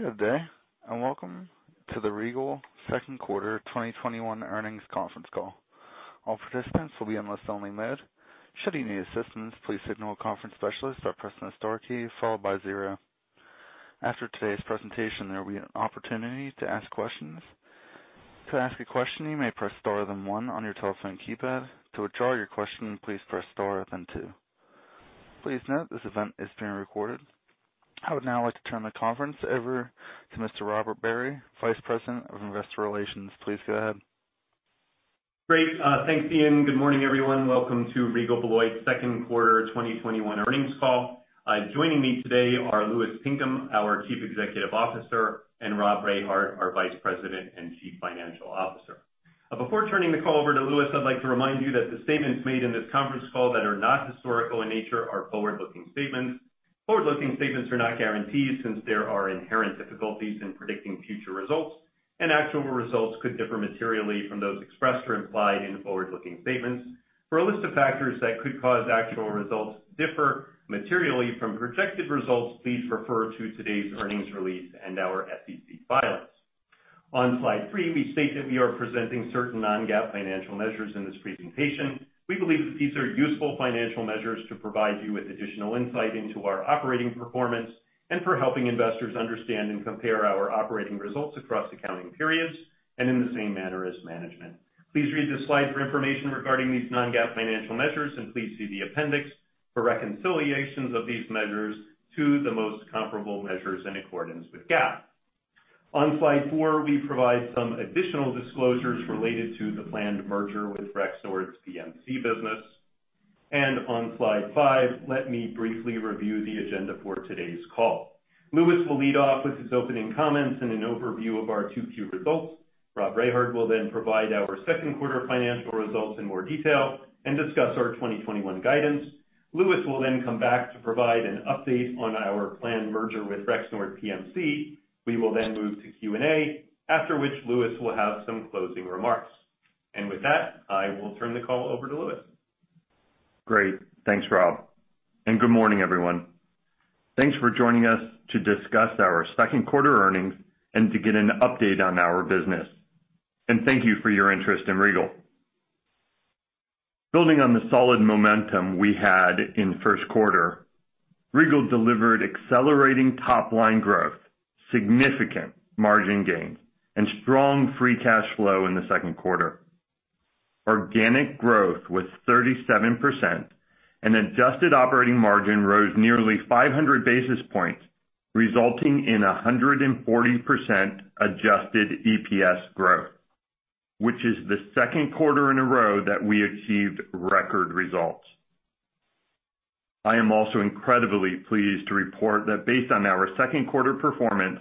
Good day, and welcome to the Regal Second Quarter 2021 Earnings Conference Call. All participants will be on listen-only mode. Should you need assistance please signal a conference specialist or press the star key followed by zero. After today’s presentation there will be an opportunity to ask questions. To ask a question you may press star then one on your telephone keypad. To withdraw your question please press star then two. Please note this is being recorded. I would now like to turn the conference over to Mr. Robert Barry, Vice President of Investor Relations. Please go ahead. Great. Thanks, Ian. Good morning, everyone. Welcome to Regal Beloit Second Quarter 2021 Earnings Call. Joining me today are Louis Pinkham, our Chief Executive Officer, and Robert Rehard, our Vice President and Chief Financial Officer. Before turning the call over to Louis, I'd like to remind you that the statements made in this conference call that are not historical in nature are forward-looking statements. Forward-looking statements are not guarantees since there are inherent difficulties in predicting future results, and actual results could differ materially from those expressed or implied in forward-looking statements. For a list of factors that could cause actual results to differ materially from projected results, please refer to today's earnings release and our SEC filings. On slide three, we state that we are presenting certain non-GAAP financial measures in this presentation. We believe that these are useful financial measures to provide you with additional insight into our operating performance and for helping investors understand and compare our operating results across accounting periods and in the same manner as management. Please read the slide for information regarding these non-GAAP financial measures, and please see the appendix for reconciliations of these measures to the most comparable measures in accordance with GAAP. On slide four, we provide some additional disclosures related to the planned merger with Rexnord's PMC business. On slide five, let me briefly review the agenda for today's call. Louis will lead off with his opening comments and an overview of our 2Q results. Robert Rehard will provide our second quarter financial results in more detail and discuss our 2021 guidance. Louis will then come back to provide an update on our planned merger with Rexnord PMC. We will then move to Q&A, after which Louis will have some closing remarks. With that, I will turn the call over to Louis. Great. Thanks, Rob. Good morning, everyone. Thanks for joining us to discuss our second quarter earnings and to get an update on our business. Thank you for your interest in Regal. Building on the solid momentum we had in first quarter, Regal delivered accelerating top-line growth, significant margin gains, and strong free cash flow in the second quarter. Organic growth was 37%, and adjusted operating margin rose nearly 500 basis points, resulting in 140% adjusted EPS growth, which is the second quarter in a row that we achieved record results. I am also incredibly pleased to report that based on our second quarter performance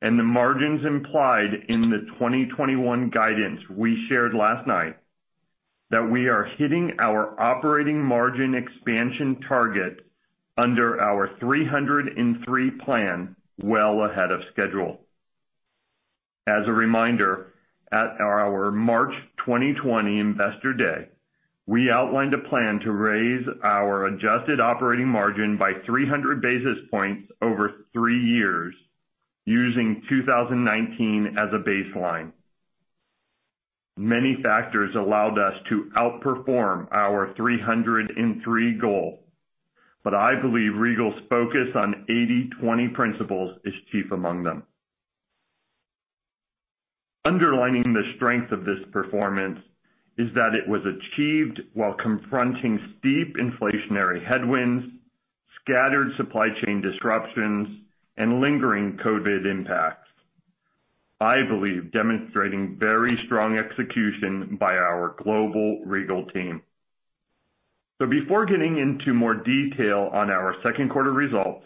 and the margins implied in the 2021 guidance we shared last night, that we are hitting our operating margin expansion target under our 300-in-3 plan well ahead of schedule. As a reminder, at our March 2020 Investor Day, we outlined a plan to raise our adjusted operating margin by 300 basis points over three years using 2019 as a baseline. Many factors allowed us to outperform our 300-in-3 goal, but I believe Regal's focus on 80/20 principles is chief among them. Underlining the strength of this performance is that it was achieved while confronting steep inflationary headwinds, scattered supply chain disruptions, and lingering COVID impacts. I believe demonstrating very strong execution by our global Regal team. Before getting into more detail on our second quarter results,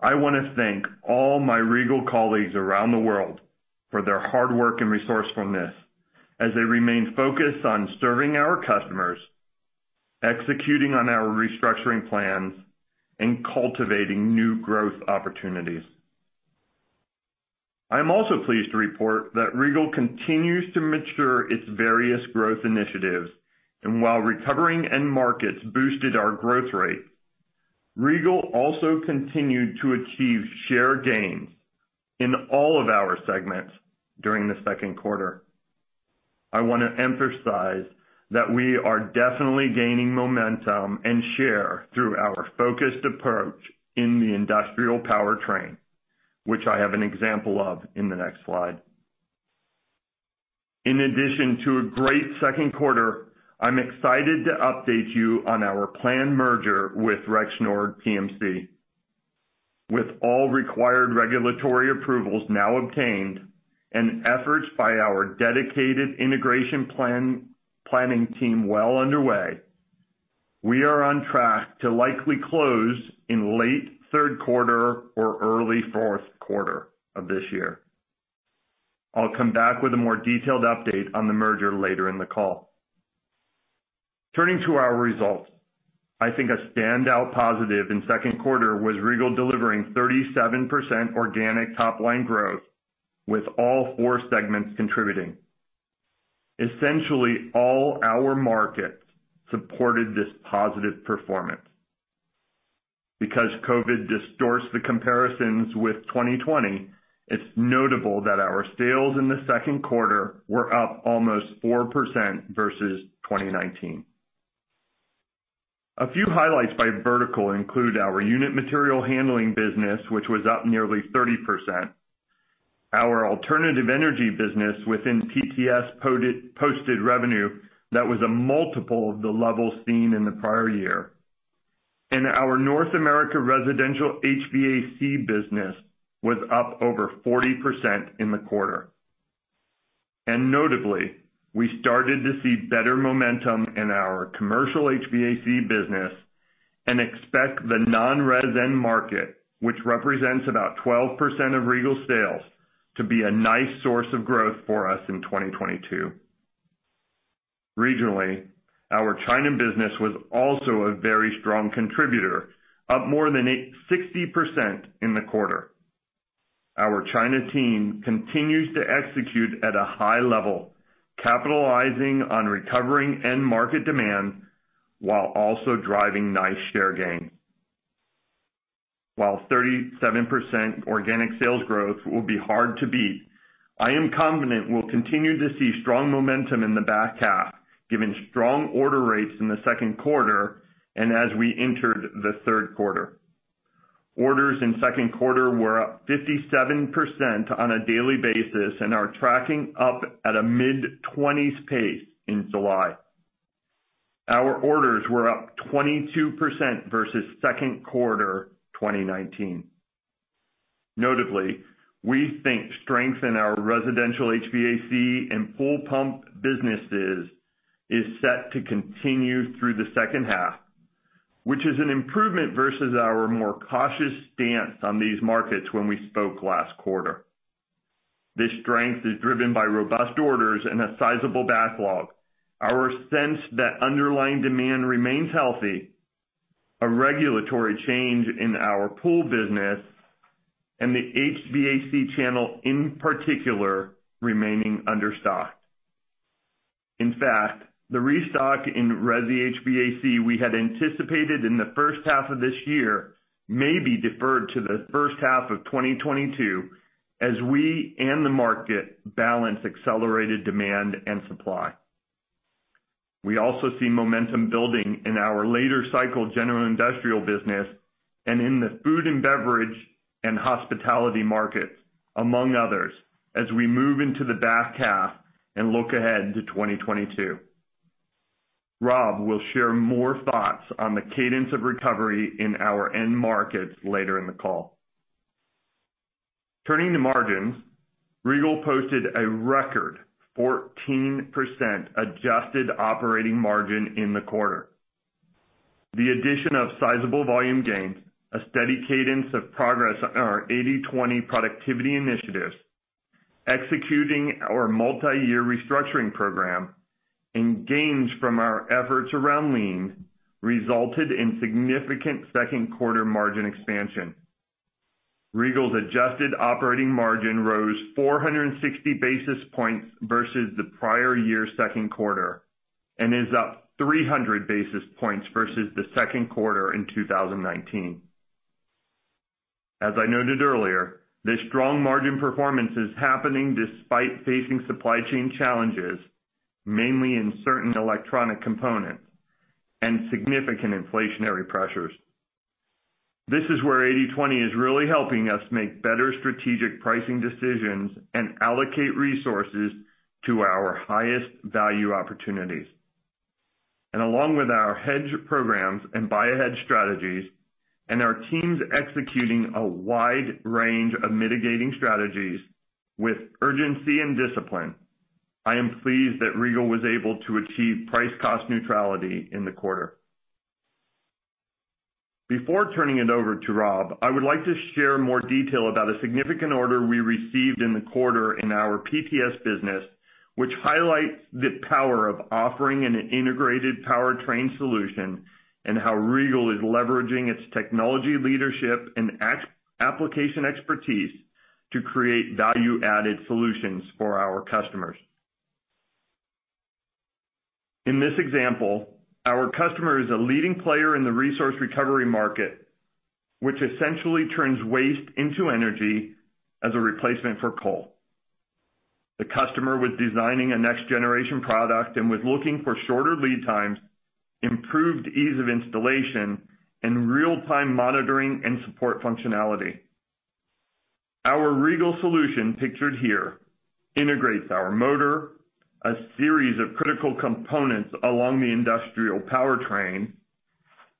I want to thank all my Regal colleagues around the world for their hard work and resourcefulness as they remain focused on serving our customers, executing on our restructuring plans, and cultivating new growth opportunities. I'm also pleased to report that Regal continues to mature its various growth initiatives. While recovering end markets boosted our growth rate, Regal also continued to achieve share gains in all of our segments during the second quarter. I want to emphasize that we are definitely gaining momentum and share through our focused approach in the industrial powertrain, which I have an example of in the next slide. In addition to a great second quarter, I'm excited to update you on our planned merger with Rexnord PMC. With all required regulatory approvals now obtained and efforts by our dedicated integration planning team well underway, we are on track to likely close in late third quarter or early fourth quarter of this year. I'll come back with a more detailed update on the merger later in the call. Turning to our results. I think a standout positive in second quarter was Regal delivering 37% organic top-line growth with all four segments contributing. Essentially all our markets supported this positive performance. Because COVID distorts the comparisons with 2020, it is notable that our sales in the second quarter were up almost 4% versus 2019. A few highlights by vertical include our unit material handling business, which was up nearly 30%, our alternative energy business within PTS posted revenue that was a multiple of the levels seen in the prior year, and our North America residential HVAC business was up over 40% in the quarter. Notably, we started to see better momentum in our commercial HVAC business and expect the non-res end market, which represents about 12% of Regal sales, to be a nice source of growth for us in 2022. Regionally, our China business was also a very strong contributor, up more than 60% in the quarter. Our China team continues to execute at a high level, capitalizing on recovering end market demand while also driving nice share gain. While 37% organic sales growth will be hard to beat, I am confident we'll continue to see strong momentum in the back half given strong order rates in the second quarter and as we entered the third quarter. Orders in second quarter were up 57% on a daily basis and are tracking up at a mid-20s pace in July. Our orders were up 22% versus second quarter 2019. Notably, we think strength in our residential HVAC and pool pump businesses is set to continue through the second half, which is an improvement versus our more cautious stance on these markets when we spoke last quarter. This strength is driven by robust orders and a sizable backlog. Our sense that underlying demand remains healthy, a regulatory change in our pool business, and the HVAC channel in particular remaining understocked. In fact, the restock in resi HVAC we had anticipated in the first half of this year may be deferred to the first half of 2022 as we and the market balance accelerated demand and supply. We also see momentum building in our later cycle general industrial business and in the food and beverage and hospitality markets, among others, as we move into the back half and look ahead to 2022. Rob will share more thoughts on the cadence of recovery in our end markets later in the call. Turning to margins, Regal posted a record 14% adjusted operating margin in the quarter. The addition of sizable volume gains, a steady cadence of progress on our 80/20 productivity initiatives, executing our multi-year restructuring program, and gains from our efforts around lean resulted in significant second quarter margin expansion. Regal’s adjusted operating margin rose 460 basis points versus the prior year second quarter and is up 300 basis points versus the second quarter in 2019. As I noted earlier, this strong margin performance is happening despite facing supply chain challenges, mainly in certain electronic components, and significant inflationary pressures. This is where 80/20 is really helping us make better strategic pricing decisions and allocate resources to our highest value opportunities. Along with our hedge programs and buy ahead strategies and our teams executing a wide range of mitigating strategies with urgency and discipline, I am pleased that Regal was able to achieve price cost neutrality in the quarter. Before turning it over to Rob, I would like to share more detail about a significant order we received in the quarter in our PTS business, which highlights the power of offering an integrated powertrain solution and how Regal is leveraging its technology leadership and application expertise to create value-added solutions for our customers. In this example, our customer is a leading player in the resource recovery market, which essentially turns waste into energy as a replacement for coal. The customer was designing a next generation product and was looking for shorter lead times, improved ease of installation, and real-time monitoring and support functionality. Our Regal solution, pictured here, integrates our motor, a series of critical components along the industrial powertrain,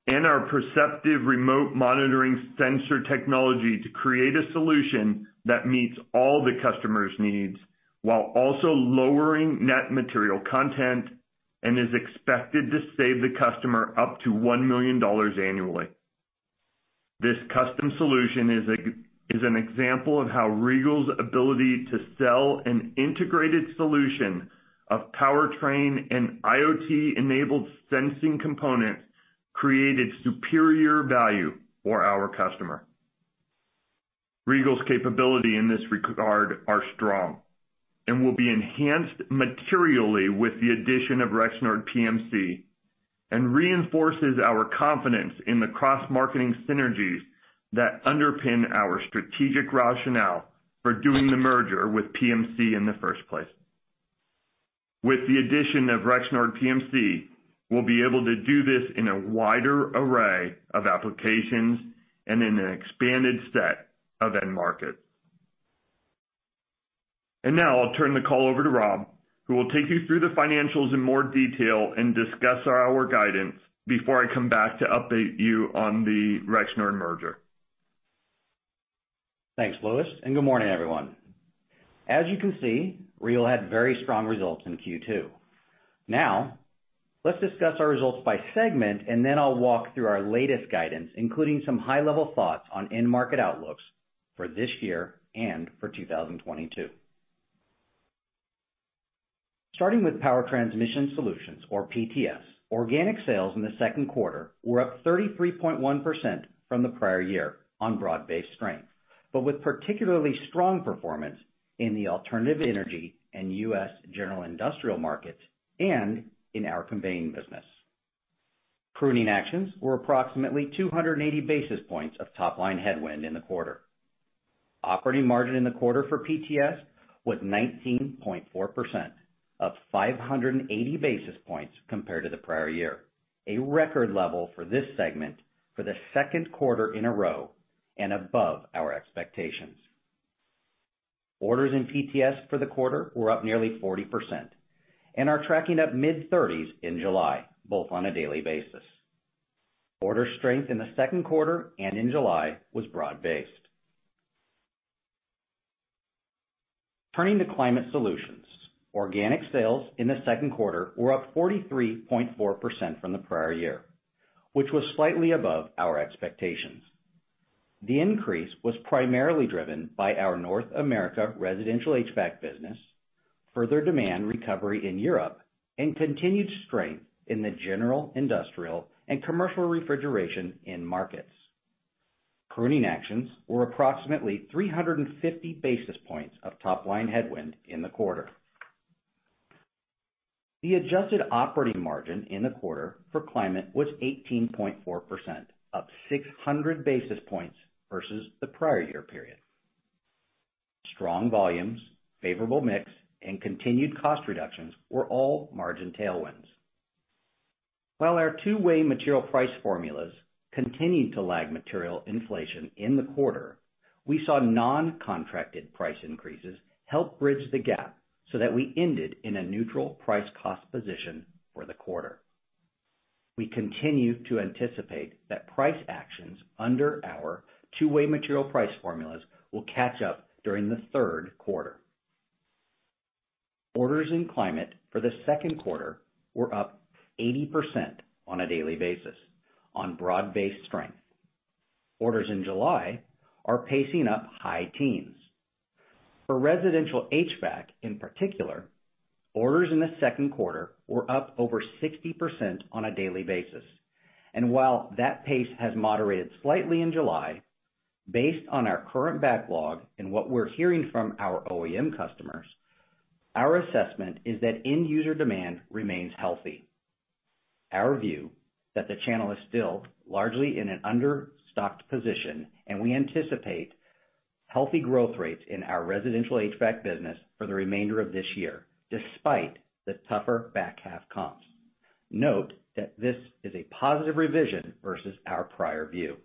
and our Perceptiv remote monitoring sensor technology to create a solution that meets all the customer's needs while also lowering net material content and is expected to save the customer up to $1 million annually. This custom solution is an example of how Regal's ability to sell an integrated solution of powertrain and IoT-enabled sensing components created superior value for our customer. Regal's capability in this regard are strong and will be enhanced materially with the addition of Rexnord PMC, reinforces our confidence in the cross-marketing synergies that underpin our strategic rationale for doing the merger with PMC in the first place. With the addition of Rexnord PMC, we'll be able to do this in a wider array of applications and in an expanded set of end markets. Now I'll turn the call over to Rob, who will take you through the financials in more detail and discuss our guidance before I come back to update you on the Rexnord merger. Thanks, Louis. Good morning, everyone. As you can see, Regal had very strong results in Q2. Let's discuss our results by segment, and then I'll walk through our latest guidance, including some high-level thoughts on end market outlooks for this year and for 2022. Starting with Power Transmission Solutions, or PTS, organic sales in the second quarter were up 33.1% from the prior year on broad-based strength, but with particularly strong performance in the alternative energy and U.S. general industrial markets, and in our conveying business. Pruning actions were approximately 280 basis points of top-line headwind in the quarter. Operating margin in the quarter for PTS was 19.4%, up 580 basis points compared to the prior year, a record level for this segment for the second quarter in a row and above our expectations. Orders in PTS for the quarter were up nearly 40% and are tracking up mid-30s in July, both on a daily basis. Order strength in the second quarter and in July was broad based. Turning to Climate Solutions, organic sales in the second quarter were up 43.4% from the prior year, which was slightly above our expectations. The increase was primarily driven by our North America residential HVAC business, further demand recovery in Europe, and continued strength in the general industrial and commercial refrigeration end markets. Pruning actions were approximately 350 basis points of top-line headwind in the quarter. The adjusted operating margin in the quarter for Climate was 18.4%, up 600 basis points versus the prior year period. Strong volumes, favorable mix, and continued cost reductions were all margin tailwinds. While our two-way material price formulas continued to lag material inflation in the quarter, we saw non-contracted price increases help bridge the gap so that we ended in a neutral price cost position for the quarter. We continue to anticipate that price actions under our two-way material price formulas will catch up during the third quarter. Orders in Climate for the second quarter were up 80% on a daily basis on broad-based strength. Orders in July are pacing up high teens. For residential HVAC in particular, orders in the second quarter were up over 60% on a daily basis. While that pace has moderated slightly in July, based on our current backlog and what we're hearing from our OEM customers, our assessment is that end-user demand remains healthy. Our view that the channel is still largely in an understocked position, and we anticipate healthy growth rates in our residential HVAC business for the remainder of this year, despite the tougher back half comps. Note that this is a positive revision versus our prior view.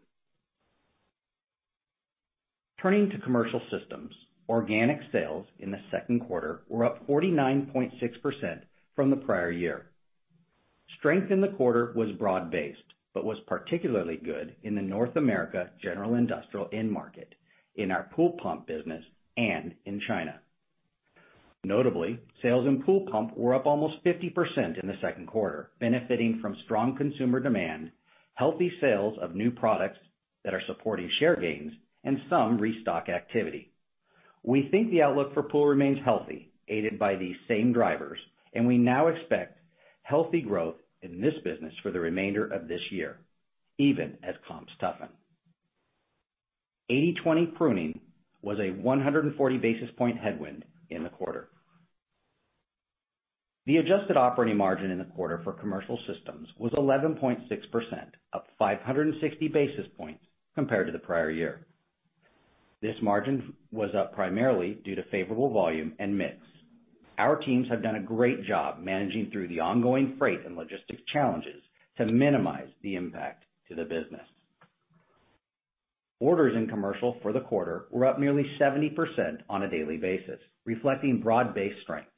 Turning to Commercial Systems, organic sales in the second quarter were up 49.6% from the prior year. Strength in the quarter was broad based, but was particularly good in the North America general industrial end market, in our pool pump business, and in China. Notably, sales in pool pump were up almost 50% in the second quarter, benefiting from strong consumer demand, healthy sales of new products that are supporting share gains, and some restock activity. We think the outlook for pool remains healthy, aided by these same drivers, and we now expect healthy growth in this business for the remainder of this year, even as comps toughen. 80/20 pruning was a 140 basis point headwind in the quarter. The adjusted operating margin in the quarter for Commercial Systems was 11.6%, up 560 basis points compared to the prior year. This margin was up primarily due to favorable volume and mix. Our teams have done a great job managing through the ongoing freight and logistics challenges to minimize the impact to the business. Orders in Commercial for the quarter were up nearly 70% on a daily basis, reflecting broad-based strength.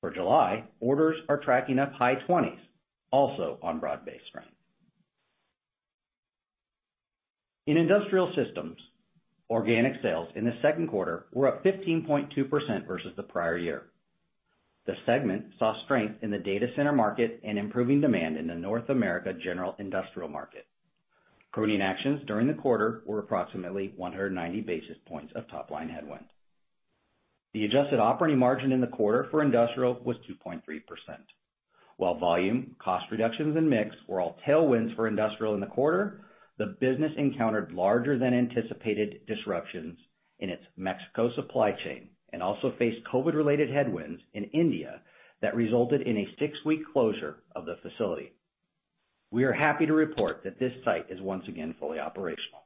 For July, orders are tracking up high 20s%, also on broad-based strength. In Industrial Systems, organic sales in the second quarter were up 15.2% versus the prior year. The segment saw strength in the data center market and improving demand in the North America general industrial market. Pruning actions during the quarter were approximately 190 basis points of top-line headwind. The adjusted operating margin in the quarter for Industrial was 2.3%. While volume, cost reductions, and mix were all tailwinds for Industrial in the quarter, the business encountered larger than anticipated disruptions in its Mexico supply chain, and also faced COVID-related headwinds in India that resulted in a six-week closure of the facility. We are happy to report that this site is once again fully operational.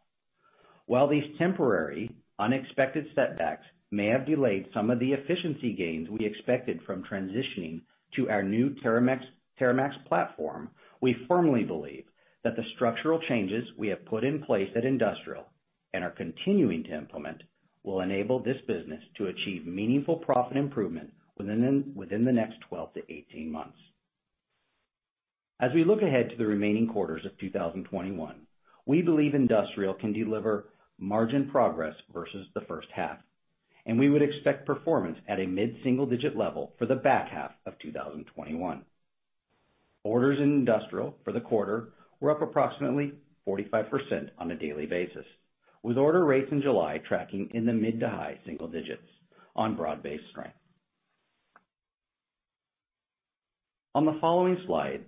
While these temporary unexpected setbacks may have delayed some of the efficiency gains we expected from transitioning to our new TerraMAX platform, we firmly believe that the structural changes we have put in place at Industrial and are continuing to implement, will enable this business to achieve meaningful profit improvement within the next 12-18 months. As we look ahead to the remaining quarters of 2021, we believe Industrial can deliver margin progress versus the first half, and we would expect performance at a mid-single-digit level for the back half of 2021. Orders in Industrial for the quarter were up approximately 45% on a daily basis, with order rates in July tracking in the mid to high single digits on broad-based strength. On the following slide,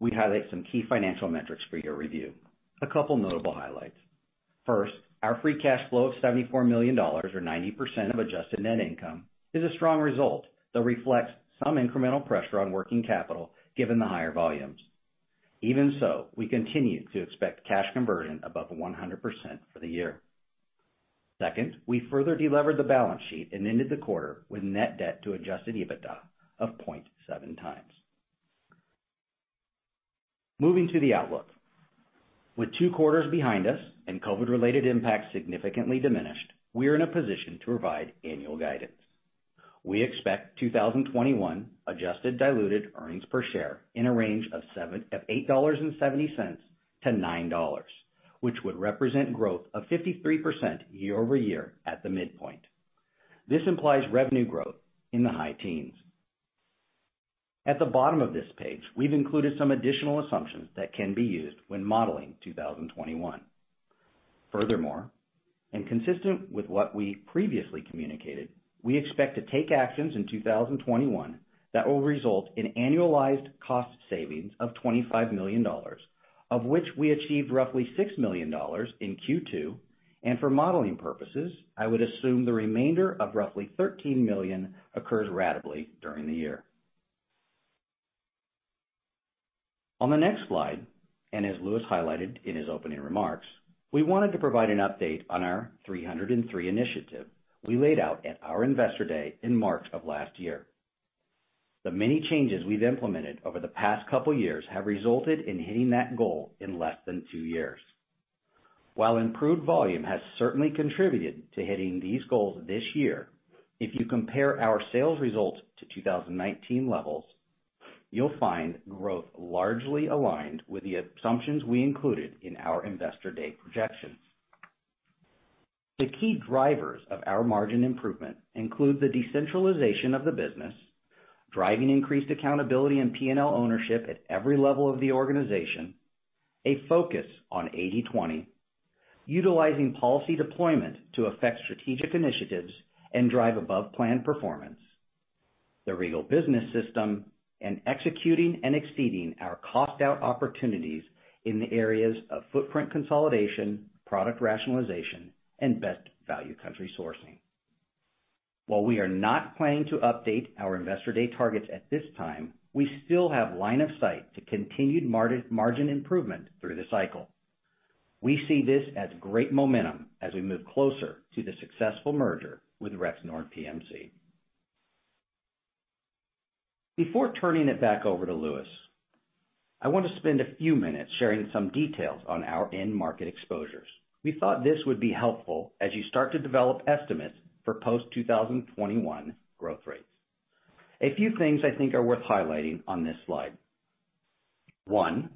we highlight some key financial metrics for your review. A couple notable highlights. First, our free cash flow of $74 million, or 90% of adjusted net income, is a strong result that reflects some incremental pressure on working capital, given the higher volumes. We continue to expect cash conversion above 100% for the year. We further delevered the balance sheet and ended the quarter with net debt to adjusted EBITDA of 0.7x. Moving to the outlook. With two quarters behind us and COVID-related impacts significantly diminished, we are in a position to provide annual guidance. We expect 2021 adjusted diluted earnings per share in a range of $8.70-$9, which would represent growth of 53% year-over-year at the midpoint. This implies revenue growth in the high teens. At the bottom of this page, we've included some additional assumptions that can be used when modeling 2021. Furthermore, and consistent with what we previously communicated, we expect to take actions in 2021 that will result in annualized cost savings of $25 million, of which we achieved roughly $6 million in Q2, and for modeling purposes, I would assume the remainder of roughly $13 million occurs ratably during the year. On the next slide, and as Louis highlighted in his opening remarks, we wanted to provide an update on our 300-in-3 initiative we laid out at our Investor Day in March of last year. The many changes we've implemented over the past couple years have resulted in hitting that goal in less than two years. While improved volume has certainly contributed to hitting these goals this year, if you compare our sales results to 2019 levels, you'll find growth largely aligned with the assumptions we included in our Investor Day projections. The key drivers of our margin improvement include the decentralization of the business, driving increased accountability and P&L ownership at every level of the organization, a focus on 80/20, utilizing policy deployment to affect strategic initiatives and drive above-plan performance, the Regal Business System, and executing and exceeding our cost out opportunities in the areas of footprint consolidation, product rationalization, and best value country sourcing. While we are not planning to update our Investor Day targets at this time, we still have line of sight to continued margin improvement through the cycle. We see this as great momentum as we move closer to the successful merger with Rexnord PMC. Before turning it back over to Louis, I want to spend a few minutes sharing some details on our end market exposures. We thought this would be helpful as you start to develop estimates for post-2021 growth rates. A few things I think are worth highlighting on this slide. One,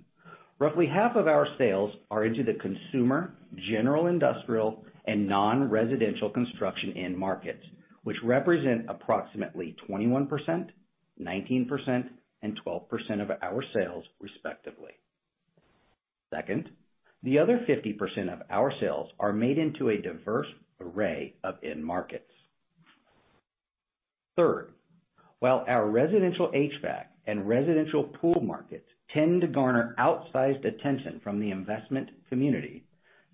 roughly half of our sales are into the consumer, general industrial, and non-residential construction end markets, which represent approximately 21%, 19%, and 12% of our sales respectively. Second, the other 50% of our sales are made into a diverse array of end markets. Third, while our residential HVAC and residential pool markets tend to garner outsized attention from the investment community,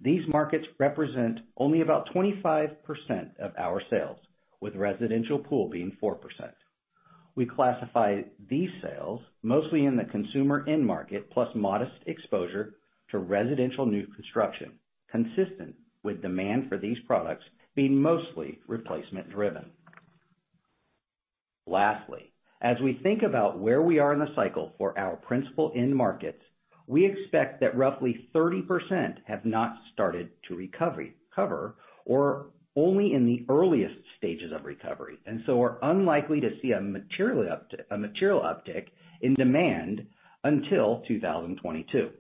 these markets represent only about 25% of our sales, with residential pool being 4%. We classify these sales mostly in the consumer end market, plus modest exposure to residential new construction, consistent with demand for these products being mostly replacement driven. Lastly, as we think about where we are in the cycle for our principal end markets, we expect that roughly 30% have not started to recover, or only in the earliest stages of recovery, and so are unlikely to see a material uptick in demand until 2022.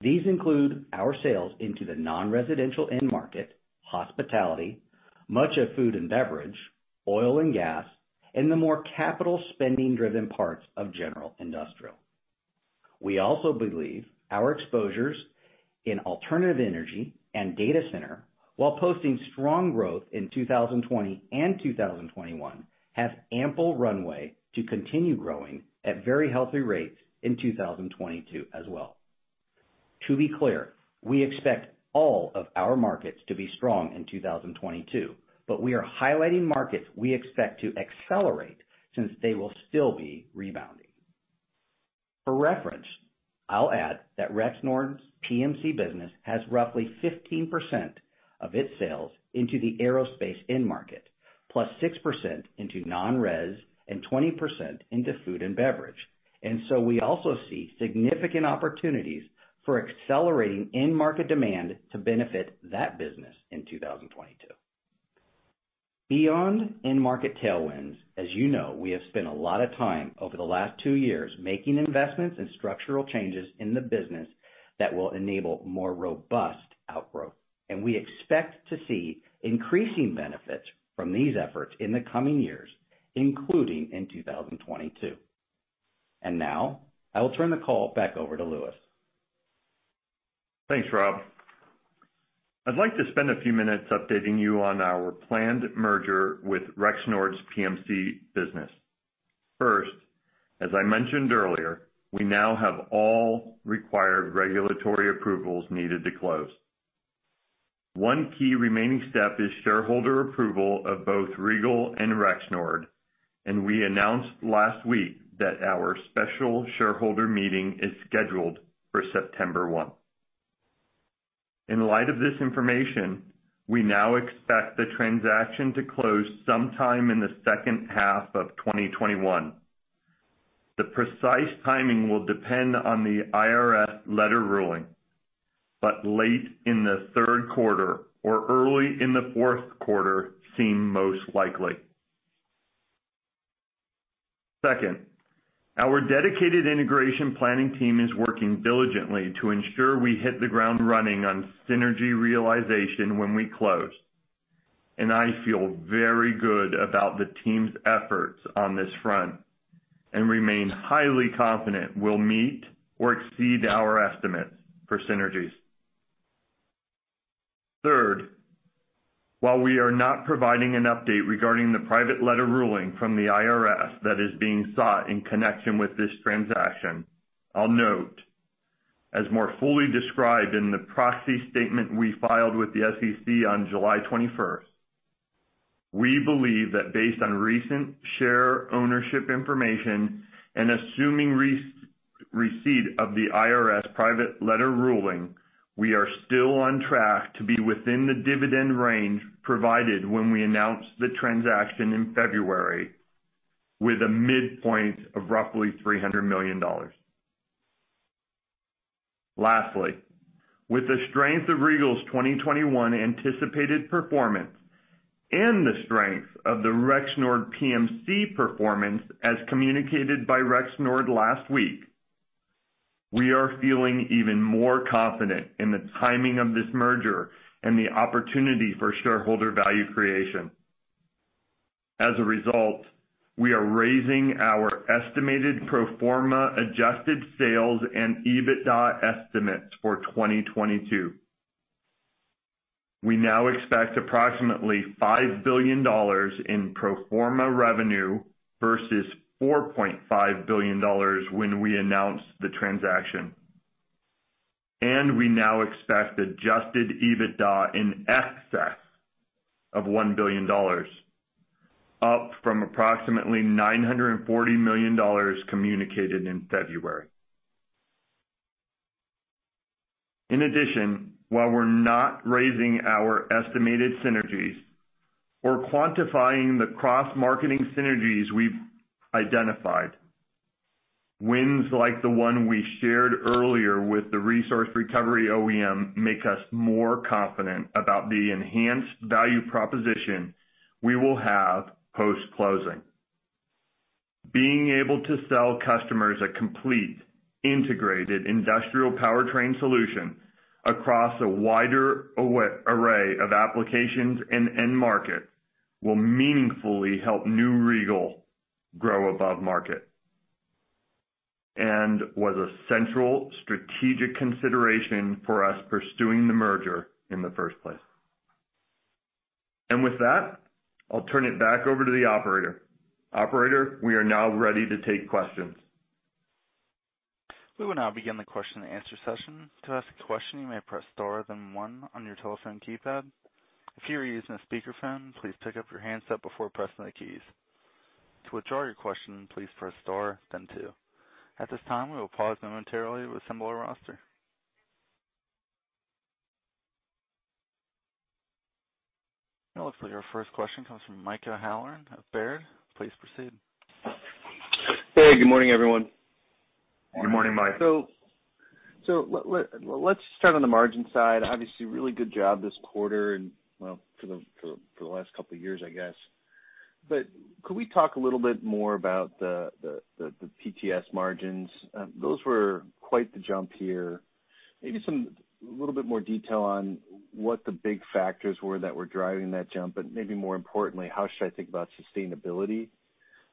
These include our sales into the non-residential end market, hospitality, much of food and beverage, oil and gas, and the more capital spending driven parts of general industrial. We also believe our exposures in alternative energy and data center, while posting strong growth in 2020 and 2021, have ample runway to continue growing at very healthy rates in 2022 as well. To be clear, we expect all of our markets to be strong in 2022, but we are highlighting markets we expect to accelerate since they will still be rebounding. For reference, I'll add that Rexnord PMC business has roughly 15% of its sales into the aerospace end market, plus 6% into non-res, and 20% into food and beverage. We also see significant opportunities for accelerating end market demand to benefit that business in 2022. Beyond end market tailwinds, as you know, we have spent a lot of time over the last two years making investments and structural changes in the business that will enable more robust outgrowth. We expect to see increasing benefits from these efforts in the coming years, including in 2022. Now I will turn the call back over to Louis. Thanks, Rob. I'd like to spend a few minutes updating you on our planned merger with Rexnord's PMC business. First, as I mentioned earlier, we now have all required regulatory approvals needed to close. One key remaining step is shareholder approval of both Regal and Rexnord, and we announced last week that our special shareholder meeting is scheduled for September 1. In light of this information, we now expect the transaction to close sometime in the second half of 2021. The precise timing will depend on the IRS letter ruling, but late in the third quarter or early in the fourth quarter seem most likely. Second, our dedicated integration planning team is working diligently to ensure we hit the ground running on synergy realization when we close. I feel very good about the team's efforts on this front and remain highly confident we'll meet or exceed our estimates for synergies. Third, while we are not providing an update regarding the private letter ruling from the IRS that is being sought in connection with this transaction, I'll note, as more fully described in the proxy statement we filed with the SEC on July 21st, we believe that based on recent share ownership information and assuming receipt of the IRS private letter ruling, we are still on track to be within the dividend range provided when we announced the transaction in February with a midpoint of roughly $300 million. Lastly, with the strength of Regal's 2021 anticipated performance and the strength of the Rexnord PMC performance as communicated by Rexnord last week, we are feeling even more confident in the timing of this merger and the opportunity for shareholder value creation. As a result, we are raising our estimated pro forma adjusted sales and EBITDA estimates for 2022. We now expect approximately $5 billion in pro forma revenue versus $4.5 billion when we announced the transaction. We now expect adjusted EBITDA in excess of $1 billion, up from approximately $940 million communicated in February. In addition, while we're not raising our estimated synergies or quantifying the cross-marketing synergies we've identified, wins like the one we shared earlier with the resource recovery OEM make us more confident about the enhanced value proposition we will have post-closing. Being able to sell customers a complete, integrated industrial powertrain solution across a wider array of applications and end markets will meaningfully help new Regal grow above market and was a central strategic consideration for us pursuing the merger in the first place. With that, I'll turn it back over to the operator. Operator, we are now ready to take questions. We will now begin the question and answer session. To ask a question, you may press star then one on your telephone keypad. If you’re using a speaker phone please pick up your handset before pressing the keys. To withdraw your question please press star then two. At this time we will pause momentarily to assemble our roster. It looks like our first question comes from Michael Halloran of Baird. Please proceed. Hey, good morning, everyone. Good morning, Michael. Let's start on the margin side. Obviously, really good job this quarter and for the last couple of years, I guess. Could we talk a little bit more about the PTS margins? Those were quite the jump here. Maybe a little bit more detail on what the big factors were that were driving that jump, but maybe more importantly, how should I think about sustainability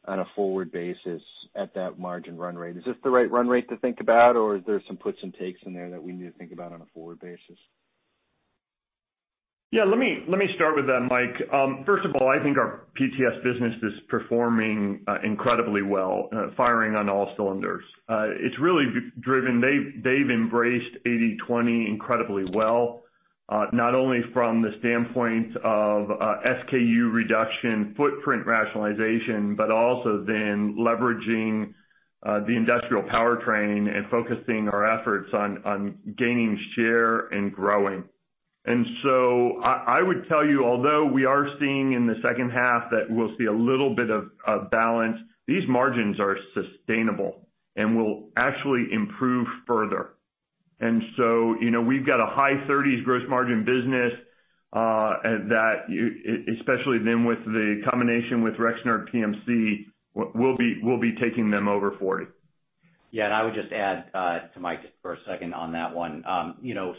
on a forward basis at that margin run rate? Is this the right run rate to think about, or is there some puts and takes in there that we need to think about on a forward basis? Yeah, let me start with that, Mike. First of all, I think our PTS business is performing incredibly well, firing on all cylinders. It's really driven. They've embraced 80/20 incredibly well, not only from the standpoint of SKU reduction, footprint rationalization, but also then leveraging the industrial powertrain and focusing our efforts on gaining share and growing. I would tell you, although we are seeing in the second half that we'll see a little bit of a balance, these margins are sustainable and will actually improve further. We've got a high 30s gross margin business, especially then with the combination with Rexnord PMC, we'll be taking them over 40. I would just add to Mike for a second on that one.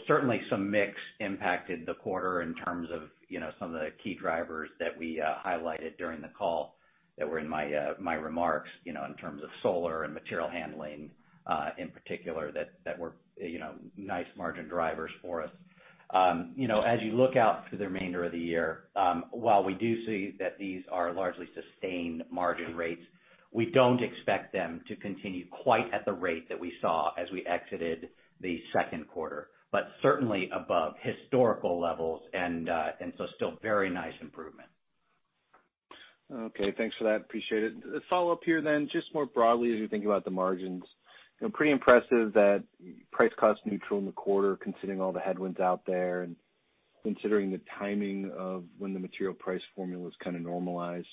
Certainly some mix impacted the quarter in terms of some of the key drivers that we highlighted during the call that were in my remarks, in terms of solar and material handling, in particular that were nice margin drivers for us. As you look out through the remainder of the year, while we do see that these are largely sustained margin rates, we don't expect them to continue quite at the rate that we saw as we exited the second quarter, but certainly above historical levels and so still very nice improvement. Okay, thanks for that. Appreciate it. A follow-up here then, just more broadly as you think about the margins. Pretty impressive that price cost neutral in the quarter considering all the headwinds out there and considering the timing of when the material price formula is kind of normalized.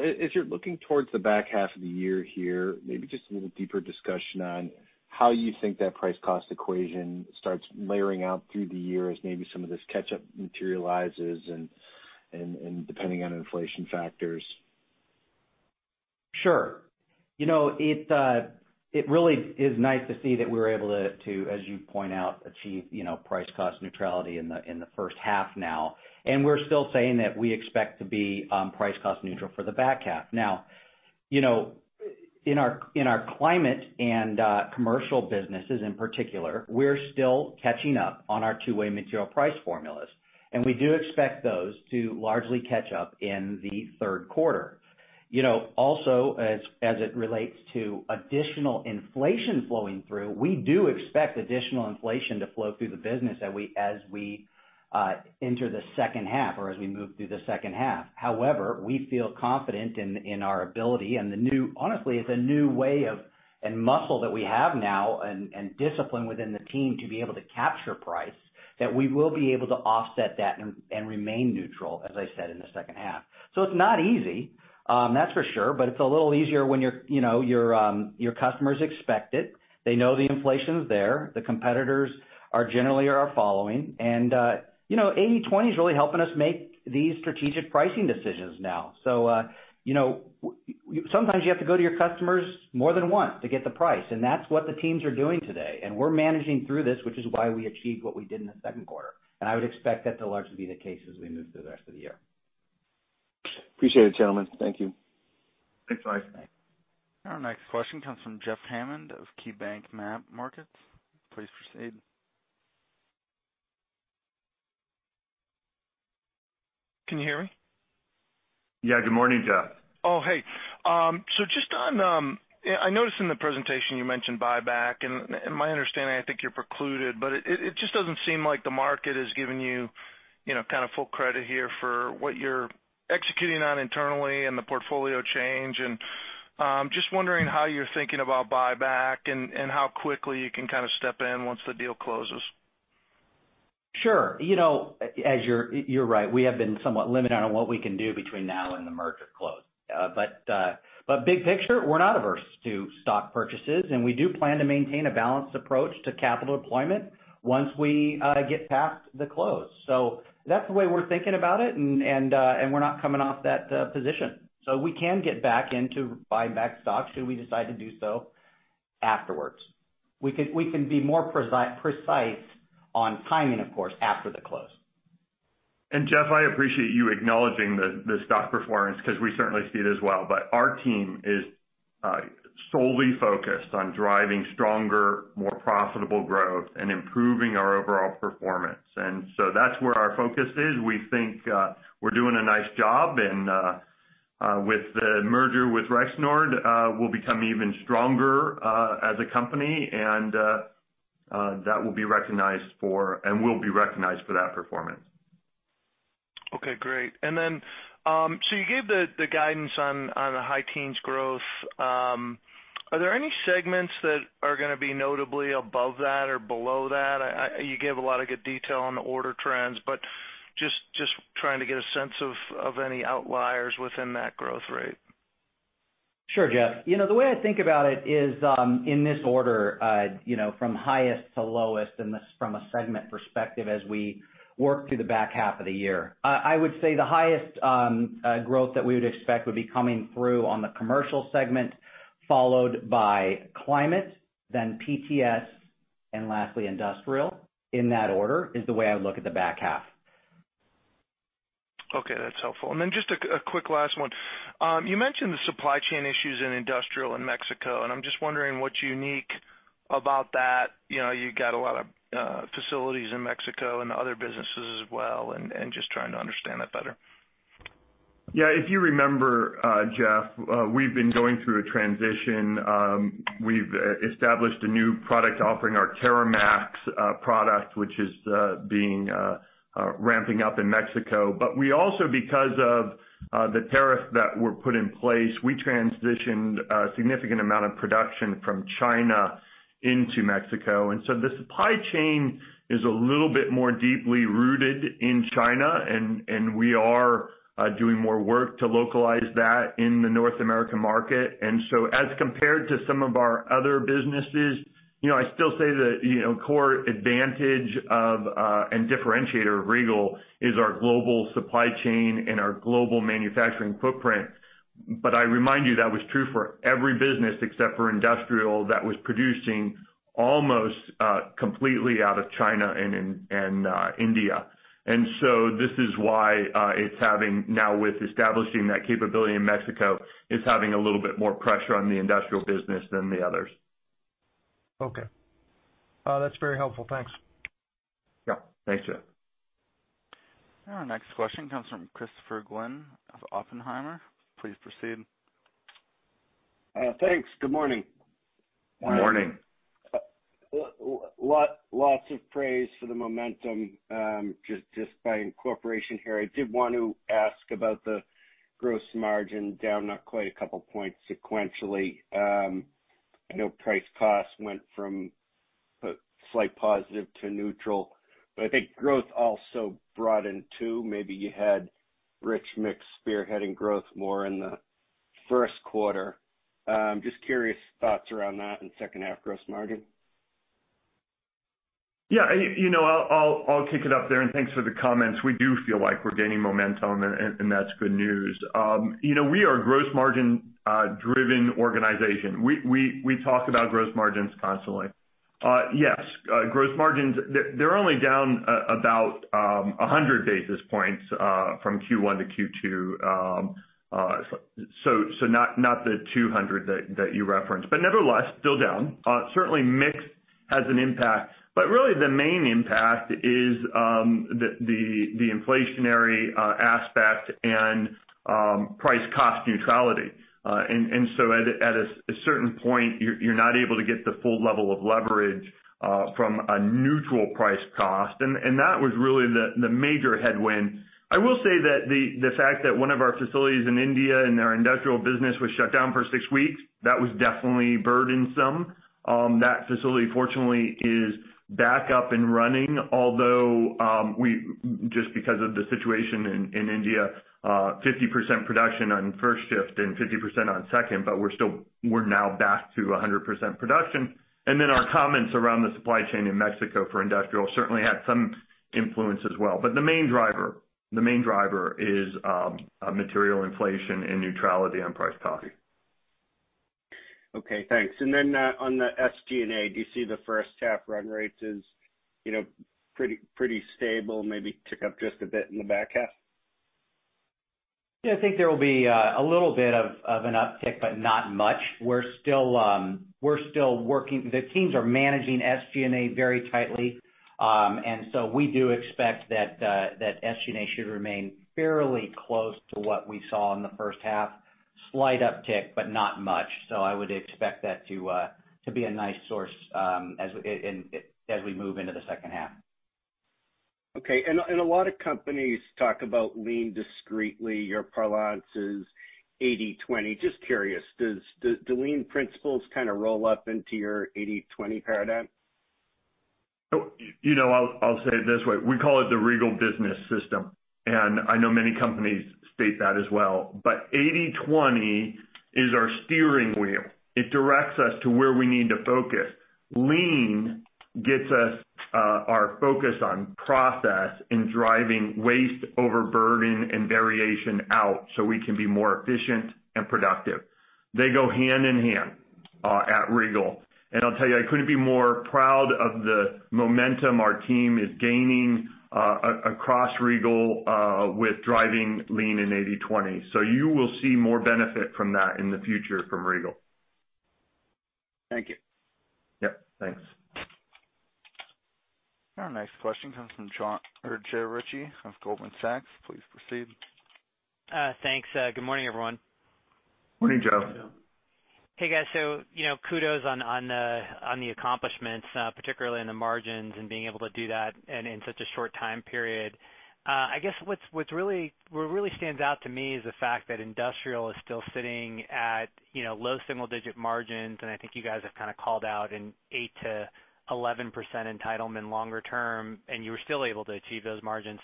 As you're looking towards the back half of the year here, maybe just a little deeper discussion on how you think that price cost equation starts layering out through the year as maybe some of this catch-up materializes and depending on inflation factors. Sure. It really is nice to see that we were able to, as you point out, achieve price cost neutrality in the first half now. And we're still saying that we expect to be price cost neutral for the back half. Now, in our Climate and Commercial businesses in particular, we're still catching up on our two-way material price formulas, and we do expect those to largely catch up in the third quarter. Also, as it relates to additional inflation flowing through, we do expect additional inflation to flow through the business as we enter the second half or as we move through the second half. However, we feel confident in our ability and honestly, it's a new way of and muscle that we have now and discipline within the team to be able to capture price, that we will be able to offset that and remain neutral, as I said, in the second half. It's not easy, that's for sure, but it's a little easier when your customers expect it. They know the inflation's there. The competitors generally are following. 80/20 is really helping us make these strategic pricing decisions now. Sometimes you have to go to your customers more than once to get the price, and that's what the teams are doing today. We're managing through this, which is why we achieved what we did in the second quarter. I would expect that to largely be the case as we move through the rest of the year. Appreciate it, gentlemen. Thank you. Thanks, Mike. Thanks. Our next question comes from Jeff Hammond of KeyBanc Capital Markets. Please proceed. Can you hear me? Yeah. Good morning, Jeff. Oh, hey. I noticed in the presentation you mentioned buyback, and my understanding, I think you're precluded, but it just doesn't seem like the market is giving you kind of full credit here for what you're executing on internally and the portfolio change, just wondering how you're thinking about buyback and how quickly you can kind of step in once the deal closes. Sure. You're right. We have been somewhat limited on what we can do between now and the merger close. Big picture, we're not averse to stock purchases, and we do plan to maintain a balanced approach to capital deployment once we get past the close. That's the way we're thinking about it, and we're not coming off that position. We can get back into buying back stocks should we decide to do so afterwards. We can be more precise on timing, of course, after the close. Jeff, I appreciate you acknowledging the stock performance because we certainly see it as well. Our team is solely focused on driving stronger, more profitable growth and improving our overall performance. That's where our focus is. We think we're doing a nice job and with the merger with Rexnord, we'll become even stronger as a company, and we'll be recognized for that performance. Okay, great. You gave the guidance on the high teens growth. Are there any segments that are going to be notably above that or below that? You gave a lot of good detail on the order trends, just trying to get a sense of any outliers within that growth rate. Sure, Jeff. The way I think about it is in this order from highest to lowest from a segment perspective as we work through the back half of the year. I would say the highest growth that we would expect would be coming through on the Commercial segment, followed by Climate, then PTS, and lastly, Industrial. In that order is the way I would look at the back half. Okay, that's helpful. Then just a quick last one. You mentioned the supply chain issues in Industrial in Mexico. I'm just wondering what's unique about that. You got a lot of facilities in Mexico and other businesses as well. Just trying to understand that better. Yeah. If you remember, Jeff, we've been going through a transition. We've established a new product offering, our TerraMAX product, which is ramping up in Mexico. We also, because of the tariffs that were put in place, we transitioned a significant amount of production from China into Mexico. The supply chain is a little bit more deeply rooted in China, and we are doing more work to localize that in the North American market. As compared to some of our other businesses, I still say the core advantage of and differentiator of Regal is our global supply chain and our global manufacturing footprint. I remind you, that was true for every business except for Industrial that was producing almost completely out of China and India. This is why it's having now with establishing that capability in Mexico, it's having a little bit more pressure on the Industrial Business than the others. Okay. That's very helpful. Thanks. Yeah. Thanks, Jeff. Our next question comes from Christopher Glynn of Oppenheimer. Please proceed. Thanks. Good morning. Morning. Lots of praise for the momentum, just by incorporation here. I did want to ask about the gross margin down not quite a couple points sequentially. I know price cost went from a slight positive to neutral. I think growth also brought in too. Maybe you had rich mix spearheading growth more in the first quarter. Just curious thoughts around that and second-half gross margin. Yeah. I'll kick it up there and thanks for the comments. We do feel like we're gaining momentum, and that's good news. We are a gross margin-driven organization. We talk about gross margins constantly. Yes. Gross margins, they're only down about 100 basis points from Q1 to Q2. Not the 200 that you referenced, but nevertheless, still down. Certainly, mix has an impact, but really the main impact is the inflationary aspect and price cost neutrality. At a certain point, you're not able to get the full level of leverage from a neutral price cost. That was really the major headwind. I will say that the fact that one of our facilities in India and our Industrial Business was shut down for six weeks, that was definitely burdensome. That facility, fortunately, is back up and running, although, just because of the situation in India, 50% production on first shift and 50% on second. We're now back to 100% production. Our comments around the supply chain in Mexico for Industrial certainly had some influence as well. The main driver is material inflation and neutrality on price capture. Okay, thanks. On the SG&A, do you see the first half run rates as pretty stable, maybe tick up just a bit in the back half? Yeah, I think there will be a little bit of an uptick, but not much. We're still working. The teams are managing SG&A very tightly. We do expect that SG&A should remain fairly close to what we saw in the first half. Slight uptick, but not much. I would expect that to be a nice source as we move into the second half. Okay. A lot of companies talk about lean discreetly. Your parlance is 80/20. Just curious, do lean principles kind of roll up into your 80/20 paradigm? I'll say it this way. We call it the Regal Business System. I know many companies state that as well. 80/20 is our steering wheel. It directs us to where we need to focus. Lean gets us our focus on process in driving waste, overburden, and variation out so we can be more efficient and productive. They go hand in hand at Regal. I'll tell you, I couldn't be more proud of the momentum our team is gaining across Regal with driving lean and 80/20. You will see more benefit from that in the future from Regal. Thank you. Yep, thanks. Our next question comes from Joe Ritchie of Goldman Sachs. Please proceed. Thanks. Good morning, everyone. Morning, Joe. Hey, guys. Kudos on the accomplishments, particularly in the margins and being able to do that and in such a short time period. I guess what really stands out to me is the fact that Industrial is still sitting at low single-digit margins, and I think you guys have kind of called out an 8%-11% entitlement longer term, and you were still able to achieve those margins.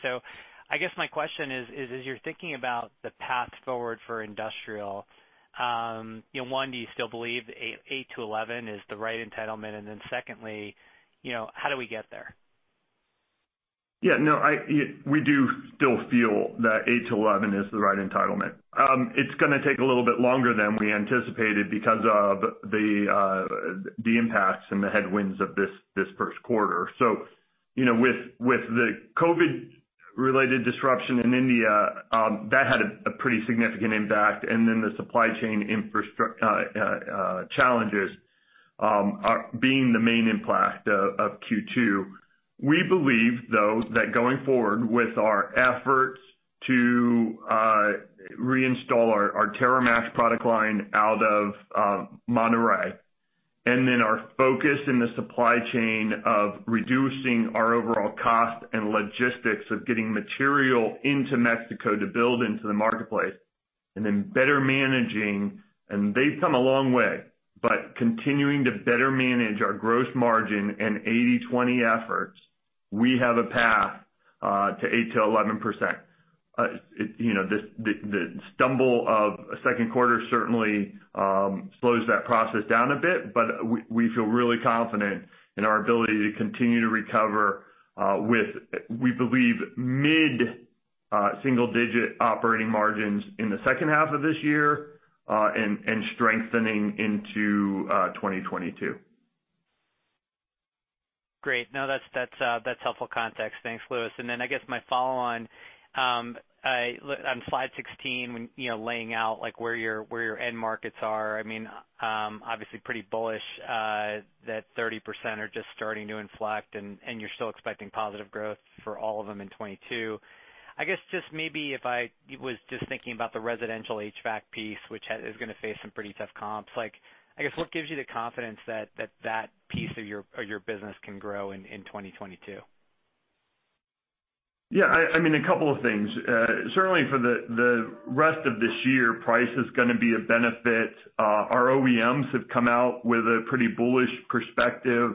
I guess my question is, as you're thinking about the path forward for Industrial, one, do you still believe 8%-11% is the right entitlement? Secondly, how do we get there? Yeah. No, we do still feel that 8%-11% is the right entitlement. It's gonna take a little bit longer than we anticipated because of the impacts and the headwinds of this first quarter. With the COVID related disruption in India, that had a pretty significant impact, and then the supply chain infrastructure challenges being the main impact of Q2. We believe, though, that going forward with our efforts to reinstall our TerraMAX product line out of Monterrey, and then our focus in the supply chain of reducing our overall cost and logistics of getting material into Mexico to build into the marketplace, and then better managing, and they've come a long way, but continuing to better manage our gross margin and 80/20 efforts, we have a path to 8%-11%. The stumble of second quarter certainly slows that process down a bit, but we feel really confident in our ability to continue to recover with, we believe, mid-single digit operating margins in the second half of this year, and strengthening into 2022. Great. No, that's helpful context. Thanks, Louis. I guess my follow on slide 16, laying out where your end markets are. Obviously pretty bullish that 30% are just starting to inflect, and you're still expecting positive growth for all of them in 2022. I guess just maybe if I was just thinking about the residential HVAC piece, which is going to face some pretty tough comps. I guess what gives you the confidence that that piece of your business can grow in 2022? Yeah. A couple of things. Certainly for the rest of this year, price is going to be a benefit. Our OEMs have come out with a pretty bullish perspective.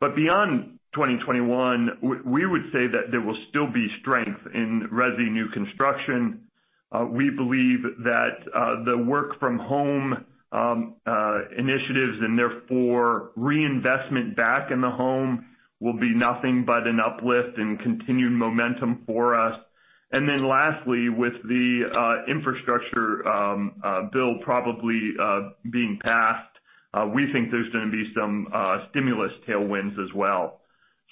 Beyond 2021, we would say that there will still be strength in resi new construction. We believe that the work from home initiatives, and therefore reinvestment back in the home, will be nothing but an uplift and continued momentum for us. Lastly, with the infrastructure bill probably being passed, we think there's going to be some stimulus tailwinds as well.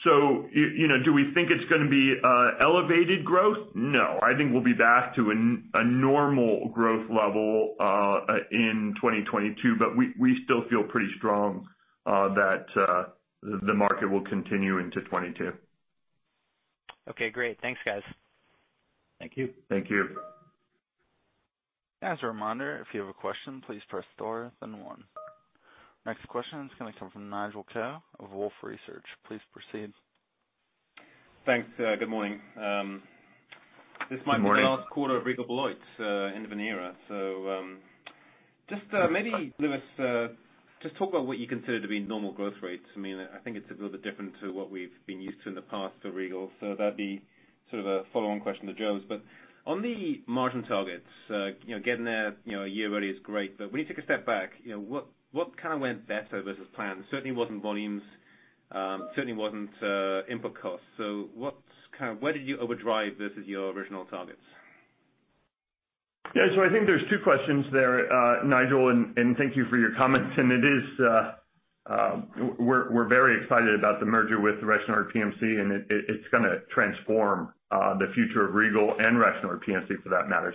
Do we think it's going to be elevated growth? No. I think we'll be back to a normal growth level in 2022, but we still feel pretty strong that the market will continue into 2022. Okay, great. Thanks, guys. Thank you. Thank you. As a reminder, if you have a question, please press star, then one. Next question is going to come from Nigel Coe of Wolfe Research. Please proceed. Thanks. Good morning. Good morning. This might be the last quarter of Regal Beloit, end of an era. Just maybe, Louis, just talk about what you consider to be normal growth rates. I think it's a little bit different to what we've been used to in the past for Regal. That'd be sort of a follow-on question to Joe. On the margin targets, getting there one year early is great, but when you take a step back, what went better versus plan? Certainly wasn't volumes, certainly wasn't input costs. Where did you overdrive versus your original targets? Yeah. I think there's two questions there, Nigel, and thank you for your comments, and we're very excited about the merger with Rexnord PMC, and it's going to transform the future of Regal, and Rexnord PMC for that matter.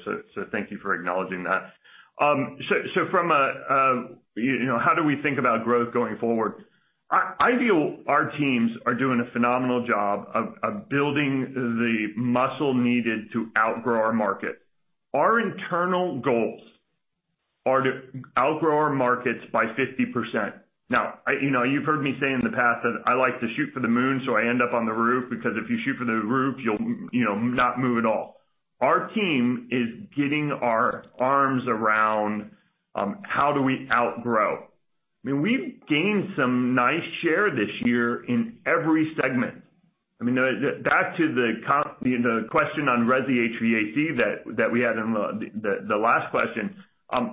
Thank you for acknowledging that. From a how do we think about growth going forward, I feel our teams are doing a phenomenal job of building the muscle needed to outgrow our market. Our internal goals are to outgrow our markets by 50%. You've heard me say in the past that I like to shoot for the moon, so I end up on the roof, because if you shoot for the roof, you'll not move at all. Our team is getting our arms around how do we outgrow. We've gained some nice share this year in every segment. Back to the question on resi HVAC that we had in the last question.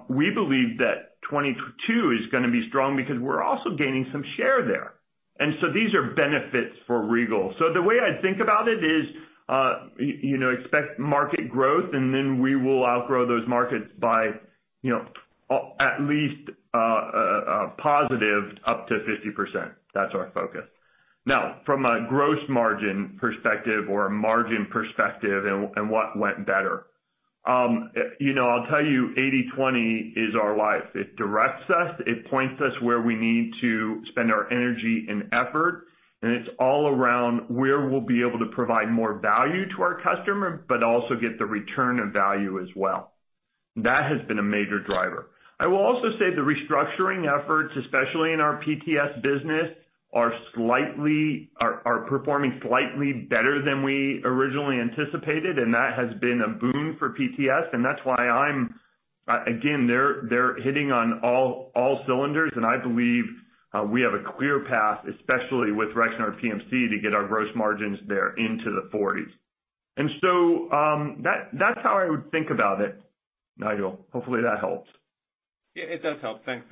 We believe that 2022 is going to be strong because we're also gaining some share there. These are benefits for Regal. The way I think about it is, expect market growth and then we will outgrow those markets by at least a positive up to 50%. That's our focus. From a gross margin perspective or a margin perspective and what went better. I'll tell you, 80/20 is our life. It directs us, it points us where we need to spend our energy and effort, and it's all around where we'll be able to provide more value to our customer, but also get the return of value as well. That has been a major driver. I will also say the restructuring efforts, especially in our PTS business, are performing slightly better than we originally anticipated, that has been a boon for PTS. Again, they're hitting on all cylinders, and I believe we have a clear path, especially with Rexnord PMC, to get our gross margins there into the 40s. That's how I would think about it, Nigel. Hopefully that helps. Yeah, it does help. Thanks,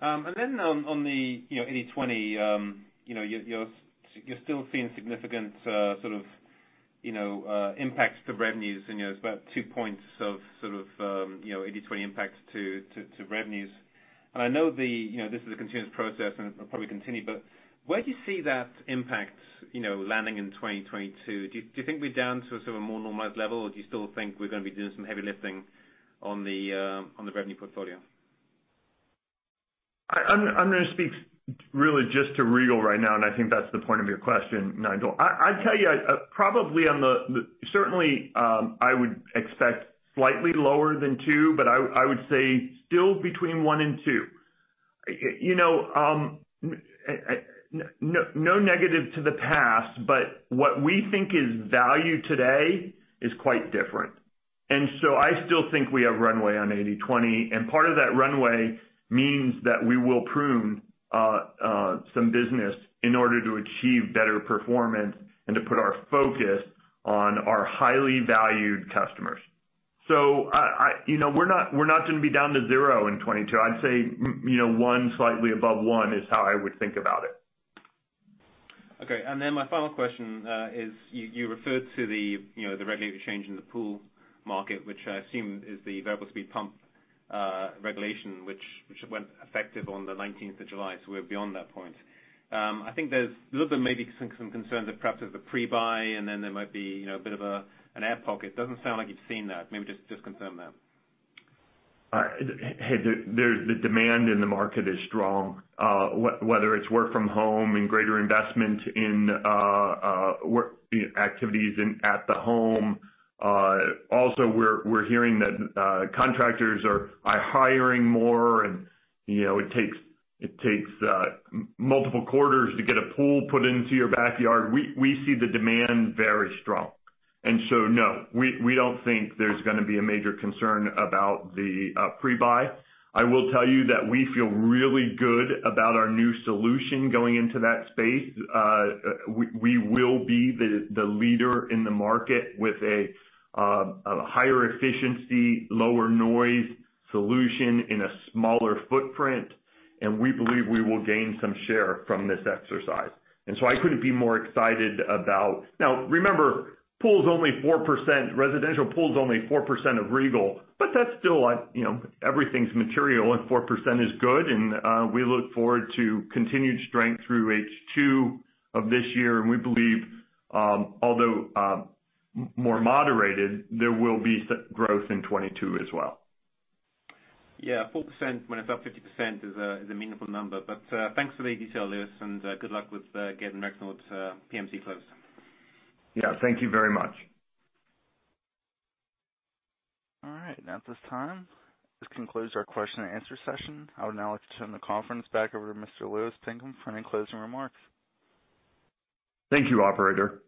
Louis. On the 80/20, you're still seeing significant sort of impacts to revenues, and it's about 2 points of sort of 80/20 impact to revenues. I know this is a continuous process and it will probably continue, where do you see that impact landing in 2022? Do you think we're down to sort of a more normalized level, or do you still think we're going to be doing some heavy lifting on the revenue portfolio? I'm going to speak really just to Regal right now. I think that's the point of your question, Nigel. I'd tell you, certainly, I would expect slightly lower than two. I would say still between one and two. No negative to the past. What we think is value today is quite different. I still think we have runway on 80/20. Part of that runway means that we will prune some business in order to achieve better performance and to put our focus on our highly valued customers. We're not going to be down to zero in 2022. I'd say one, slightly above one, is how I would think about it. Okay. My final question is, you referred to the regulatory change in the pool market, which I assume is the variable speed pump regulation, which went effective on the July 19th, so we're beyond that point. I think there's a little bit, maybe some concern that perhaps there's a pre-buy and then there might be a bit of an air pocket. Doesn't sound like you've seen that. Maybe just confirm that. The demand in the market is strong, whether it's work from home and greater investment in activities at the home. We're hearing that contractors are hiring more and it takes multiple quarters to get a pool put into your backyard. We see the demand very strong. No, we don't think there's going to be a major concern about the pre-buy. I will tell you that we feel really good about our new solution going into that space. We will be the leader in the market with a higher efficiency, lower noise solution in a smaller footprint, and we believe we will gain some share from this exercise. I couldn't be more excited about. Now, remember, residential pool is only 4% of Regal, but that's still, everything's material and 4% is good, and we look forward to continued strength through H2 of this year, and we believe, although more moderated, there will be growth in 2022 as well. Yeah, 4% when it's up 50% is a meaningful number. Thanks for the detail, Louis, and good luck with getting Rexnord's PMC closed. Yeah, thank you very much. All right. At this time, this concludes our question and answer session. I would now like to turn the conference back over to Mr. Louis Pinkham for any closing remarks. Thank you, operator.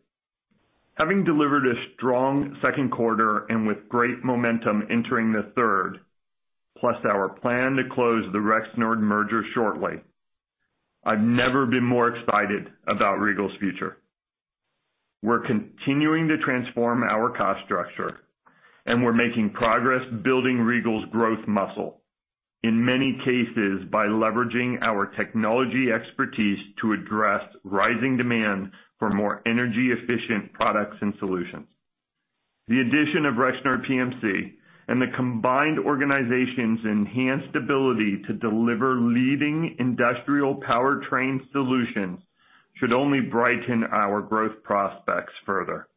Having delivered a strong second quarter and with great momentum entering the third, plus our plan to close the Rexnord merger shortly, I've never been more excited about Regal's future. We're continuing to transform our cost structure, and we're making progress building Regal's growth muscle, in many cases, by leveraging our technology expertise to address rising demand for more energy efficient products and solutions. The addition of Rexnord PMC and the combined organization's enhanced ability to deliver leading industrial powertrain solutions should only brighten our growth prospects further.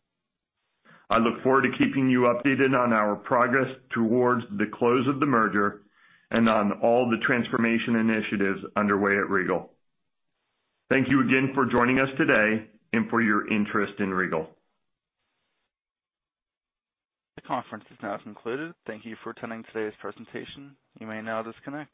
I look forward to keeping you updated on our progress towards the close of the merger and on all the transformation initiatives underway at Regal. Thank you again for joining us today and for your interest in Regal. The conference is now concluded. Thank you for attending today's presentation. You may now disconnect.